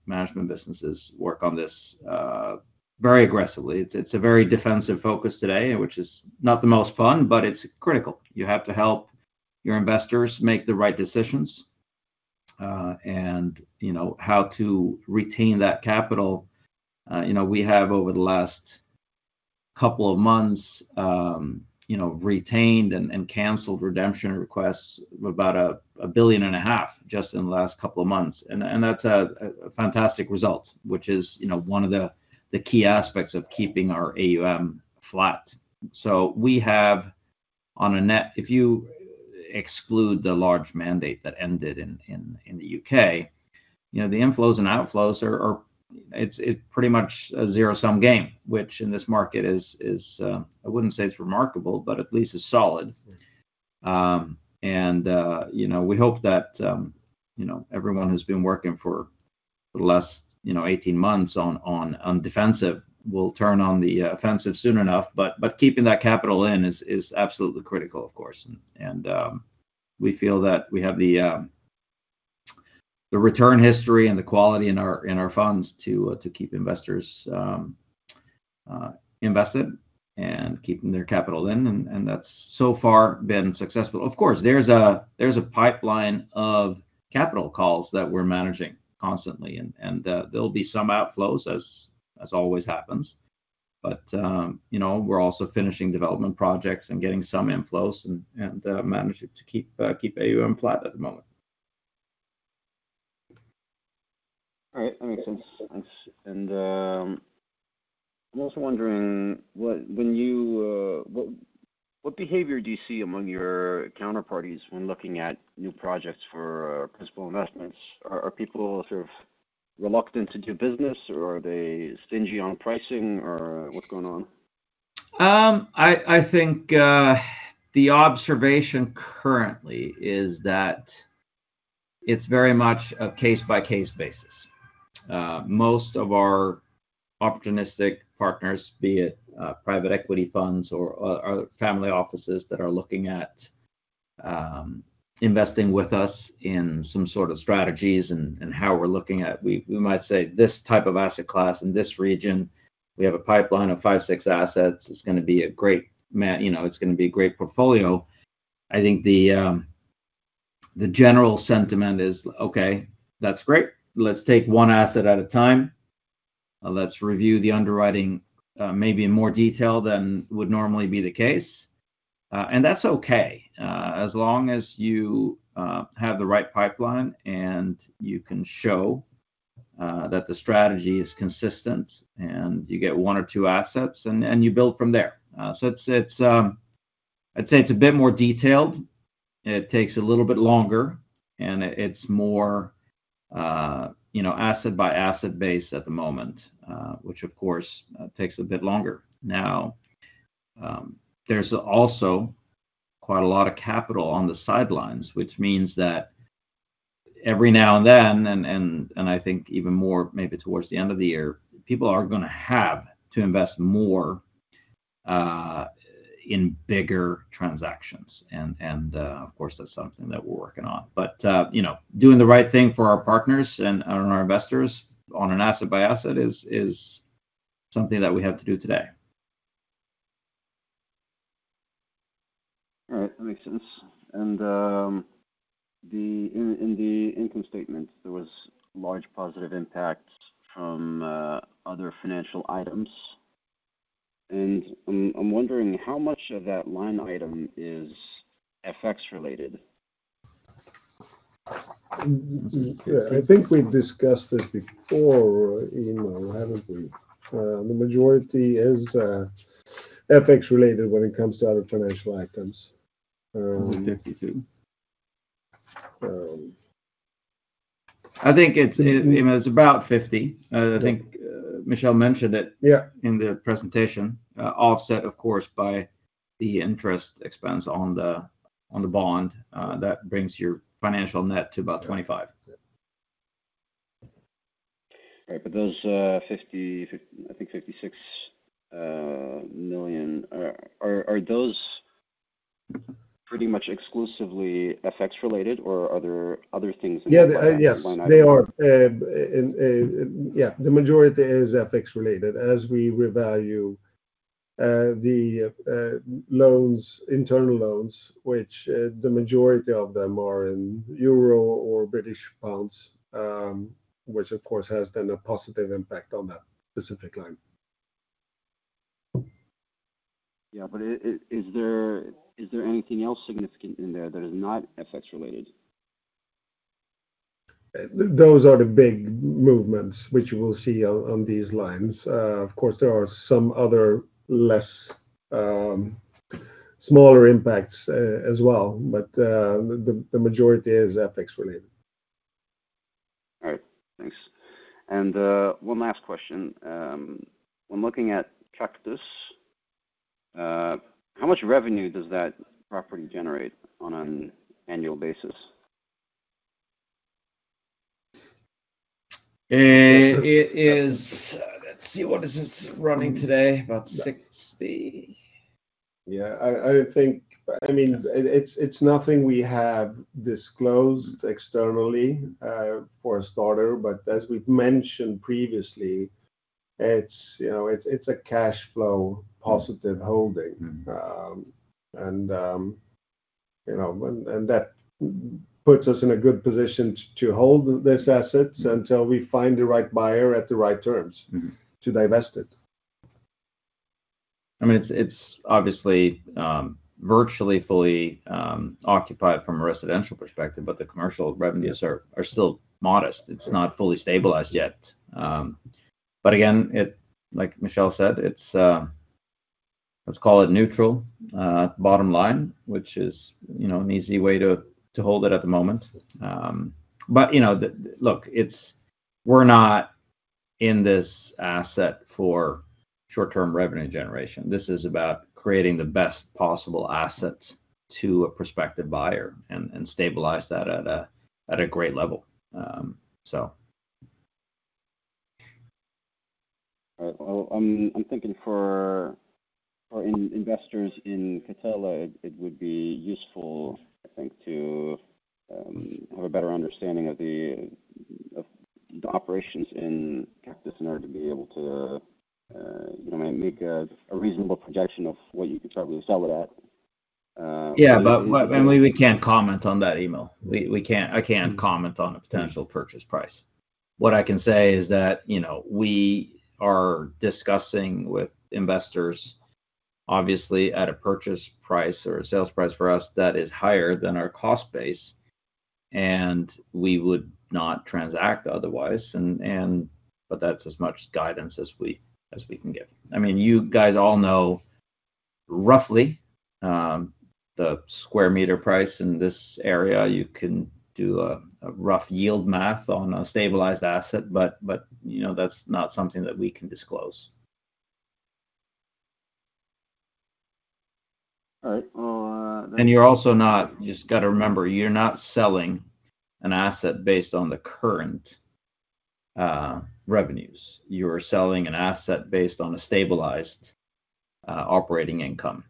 B: management businesses work on this very aggressively. It's a very defensive focus today, which is not the most fun, but it's critical. You have to help your investors make the right decisions, and you know, how to retain that capital. You know, we have, over the last couple of months, you know, retained and canceled redemption requests about 1.5 billion, just in the last couple of months. And that's a fantastic result, which is, you know, one of the key aspects of keeping our AUM flat. So we have on a net, if you exclude the large mandate that ended in the U.K., you know, the inflows and outflows are. It's pretty much a zero-sum game, which in this market is. I wouldn't say it's remarkable, but at least it's solid. And you know, we hope that you know, everyone has been working for the last you know, 18 months on defensive, will turn on the offensive soon enough. But keeping that capital in is absolutely critical, of course. And we feel that we have the return history and the quality in our funds to keep investors invested and keeping their capital in, and that's so far been successful. Of course, there's a pipeline of capital calls that we're managing constantly, and there'll be some outflows, as always happens. But, you know, we're also finishing development projects and getting some inflows and managing to keep AUM flat at the moment.
E: All right. That makes sense. Thanks. And, I'm also wondering, what behavior do you see among your counterparties when looking at new projects for principal investments? Are people sort of reluctant to do business, or are they stingy on pricing, or what's going on?
B: I think the observation currently is that it's very much a case-by-case basis. Most of our opportunistic partners, be it private equity funds or other family offices that are looking at investing with us in some sort of strategies and how we're looking at. We might say, this type of asset class in this region, we have a pipeline of 5-6 assets. It's gonna be a great, you know, it's gonna be a great portfolio. I think the general sentiment is, "Okay, that's great. Let's take one asset at a time, and let's review the underwriting, maybe in more detail than would normally be the case." And that's okay, as long as you have the right pipeline, and you can show that the strategy is consistent, and you get one or two assets, and you build from there. So it's a bit more detailed, it takes a little bit longer, and it's more, you know, asset-by-asset basis at the moment, which, of course, takes a bit longer. Now, there's also quite a lot of capital on the sidelines, which means that every now and then, and I think even more maybe towards the end of the year, people are gonna have to invest more in bigger transactions. Of course, that's something that we're working on. But, you know, doing the right thing for our partners and our investors on an asset by asset is something that we have to do today.
E: All right. That makes sense. And in the income statement, there was large positive impact from other financial items, and I'm wondering how much of that line item is FX-related?
C: Yeah, I think we've discussed this before, Emil, haven't we? The majority is FX-related when it comes to other financial items.
E: 52
B: I think it's, Emil, it's about 50. I think Michel mentioned it in the presentation, offset, of course, by the interest expense on the, on the bond, that brings your financial net to about 25.
E: Right. But those 56 million, are those pretty much exclusively FX-related, or are there other things in that?
C: Yeah. Yes-
E: -line item?
C: They are, yeah, the majority is FX-related, as we revalue the loans, internal loans, which the majority of them are in euro or British pounds, which, of course, has been a positive impact on that specific line.
E: Yeah, but is there anything else significant in there that is not FX-related?
C: Those are the big movements which we'll see on these lines. Of course, there are some other less smaller impacts, as well, but the majority is FX-related.
E: All right. Thanks. And one last question: when looking at Kaktus, how much revenue does that property generate on an annual basis?
B: It is. Let's see, what is this running today? About 60.
C: Yeah, I think, I mean, it's nothing we have disclosed externally for starters, but as we've mentioned previously, you know, it's a cash flow positive holding. And you know, and that puts us in a good position to hold these assets until we find the right buyer at the right terms to divest it.
B: I mean, it's, it's obviously, virtually fully occupied from a residential perspective, but the commercial revenues are, are still modest. It's not fully stabilized yet. But again, it—like Michel said, it's, let's call it neutral bottom line, which is, you know, an easy way to, to hold it at the moment. But, you know, the—look, it's—we're not in this asset for short-term revenue generation. This is about creating the best possible assets to a prospective buyer and, and stabilize that at a, at a great level. So.
E: All right. Well, I'm thinking for investors in Catella, it would be useful, I think, to have a better understanding of the operations in Kaktus in order to be able to, you know, make a reasonable projection of what you could probably sell it at.
B: Yeah, but we can't comment on that, Emil. We can't. I can't comment on a potential purchase price. What I can say is that, you know, we are discussing with investors, obviously, at a purchase price or a sales price for us that is higher than our cost base, and we would not transact otherwise. And but that's as much guidance as we can give. I mean, you guys all know roughly the square meter price in this area. You can do a rough yield math on a stabilized asset, but, you know, that's not something that we can disclose.
E: All right. Well,
B: You just got to remember, you're not selling an asset based on the current revenues. You are selling an asset based on a stabilized operating income.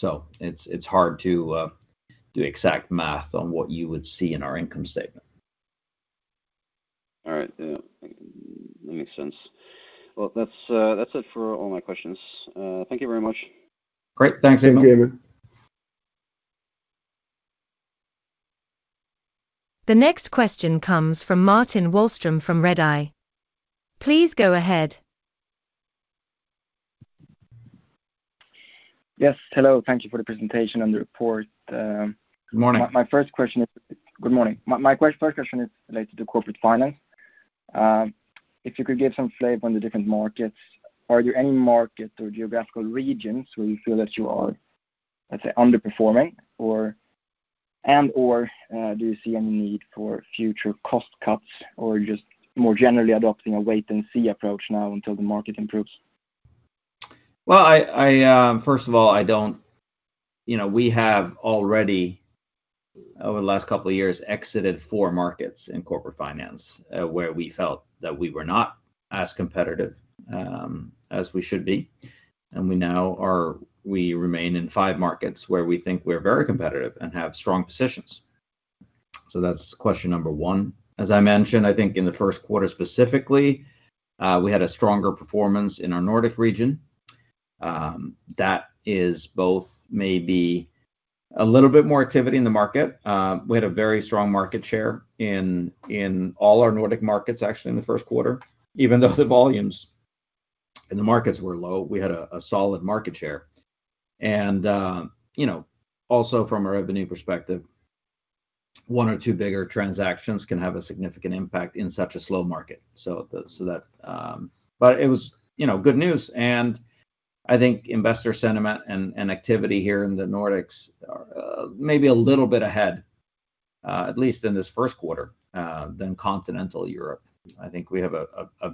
B: So it's, it's hard to do exact math on what you would see in our income statement.
E: All right. Yeah, that makes sense. Well, that's, that's it for all my questions. Thank you very much.
B: Great. Thanks, Emil.
C: Thanks, Emil.
A: The next question comes from Martin Wahlström, from Redeye. Please go ahead.
F: Yes, hello. Thank you for the presentation and the report.
B: Good morning.
F: Good morning. My first question is related to Corporate Finance. If you could give some flavor on the different markets, are there any markets or geographical regions where you feel that you are, let's say, underperforming, or and/or do you see any need for future cost cuts, or are you just more generally adopting a wait-and-see approach now until the market improves?
B: Well, first of all, I don't. We have already, over the last couple of years, exited four markets in corporate finance, where we felt that we were not as competitive, as we should be. And we now are- we remain in five markets where we think we're very competitive and have strong positions. So that's question number one. As I mentioned, I think in the first quarter specifically, we had a stronger performance in our Nordic region. That is both maybe a little bit more activity in the market. We had a very strong market share in all our Nordic markets, actually, in the first quarter. Even though the volumes in the markets were low, we had a solid market share. And, you know, also from a revenue perspective, one or two bigger transactions can have a significant impact in such a slow market. But it was good news. And I think investor sentiment and activity here in the Nordics are maybe a little bit ahead, at least in this first quarter, than continental Europe. I think we have a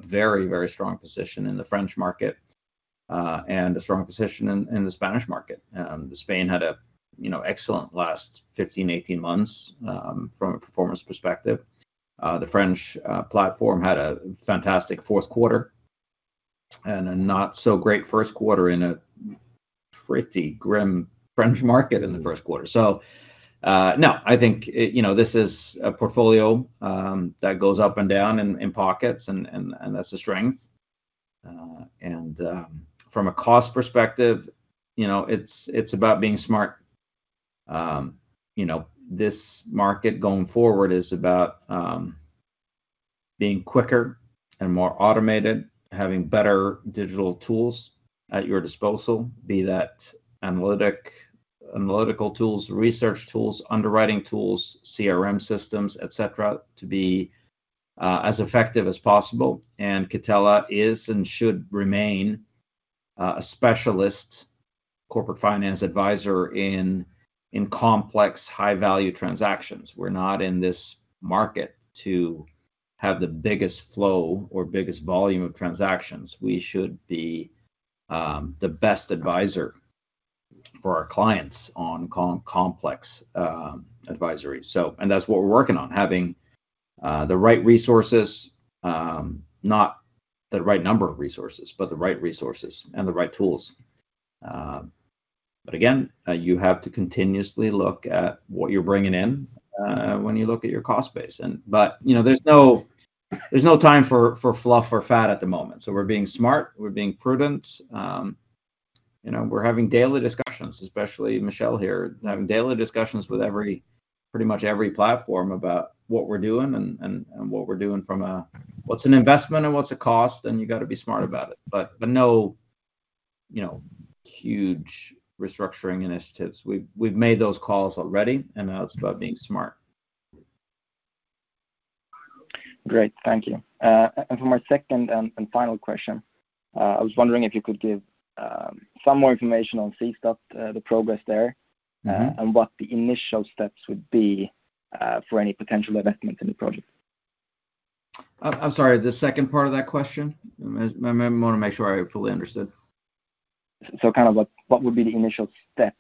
B: very, very strong position in the French market and a strong position in the Spanish market. Spain had, you know, excellent last 15, 18 months, from a performance perspective. The French platform had a fantastic fourth quarter and a not-so-great first quarter in a pretty grim French market in the first quarter. So, no, I think, you know, this is a portfolio that goes up and down in pockets, and that's a strength. From a cost perspective, you know, it's about being smart. You know, this market going forward is about being quicker and more automated, having better digital tools at your disposal, be that analytical tools, research tools, underwriting tools, CRM systems, et cetera, to be as effective as possible. And Catella is and should remain a specialist corporate finance advisor in complex, high-value transactions. We're not in this market to have the biggest flow or biggest volume of transactions. We should be the best advisor for our clients on complex advisory. So and that's what we're working on, having the right resources, not the right number of resources, but the right resources and the right tools. But again, you have to continuously look at what you're bringing in, when you look at your cost base. And but, you know, there's no time for fluff or fat at the moment. So we're being smart, we're being prudent. You know, we're having daily discussions, especially Michel here, having daily discussions with pretty much every platform about what we're doing and what we're doing from a, what's an investment and what's a cost, and you got to be smart about it. But no, you know, huge restructuring initiatives. We've made those calls already, and now it's about being smart.
F: Great. Thank you. And for my second and final question, I was wondering if you could give some more information on Seestadt, the progress there, and what the initial steps would be for any potential investment in the project?
B: I'm sorry, the second part of that question? I wanna make sure I fully understood.
F: So kind of what, what would be the initial steps,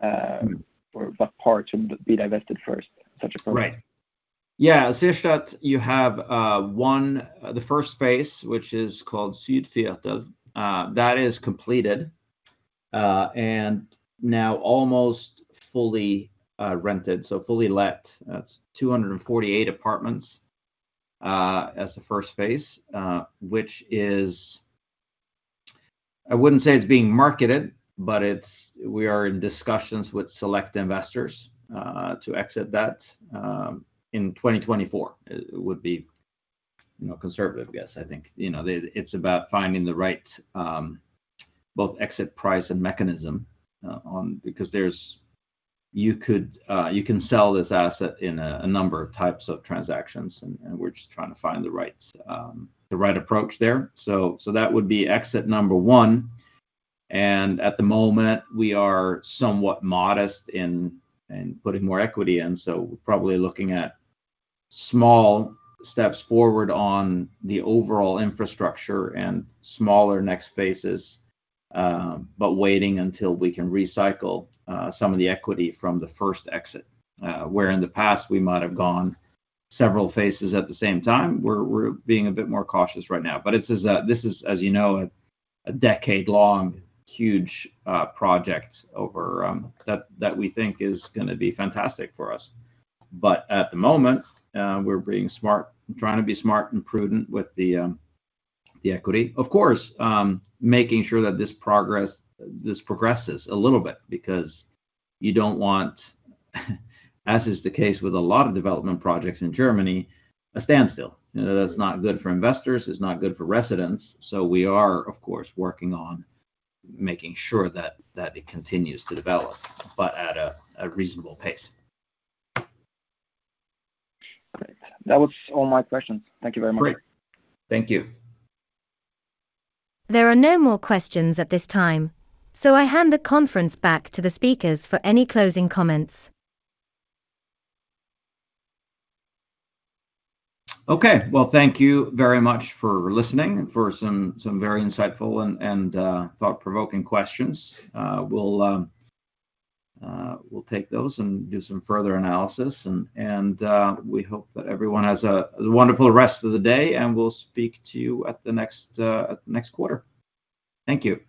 F: or what part should be divested first, such a program?
B: Right. Yeah, at Seestadt, you have the first phase, which is called Südstadt, that is completed, and now almost fully rented, so fully let. That's 248 apartments as the first phase, which is, I wouldn't say it's being marketed, but it's we are in discussions with select investors to exit that in 2024. It would be, you know, conservative guess, I think. You know, the, it's about finding the right both exit price and mechanism, on because there's you can sell this asset in a number of types of transactions, and we're just trying to find the right approach there. So that would be exit number one, and at the moment, we are somewhat modest in putting more equity in. So probably looking at small steps forward on the overall infrastructure and smaller next phases, but waiting until we can recycle some of the equity from the first exit. Where in the past, we might have gone several phases at the same time, we're being a bit more cautious right now. But it's as this is, as you know, a decade-long, huge project over that we think is gonna be fantastic for us. But at the moment, we're being smart—trying to be smart and prudent with the equity. Of course, making sure that this progress progresses a little bit because you don't want, as is the case with a lot of development projects in Germany, a standstill. You know, that's not good for investors, it's not good for residents. So we are, of course, working on making sure that it continues to develop, but at a reasonable pace.
F: Great. That was all my questions. Thank you very much.
B: Great. Thank you.
A: There are no more questions at this time, so I hand the conference back to the speakers for any closing comments.
B: Okay. Well, thank you very much for listening, for some very insightful and thought-provoking questions. We'll take those and do some further analysis, and we hope that everyone has a wonderful rest of the day, and we'll speak to you at the next quarter. Thank you.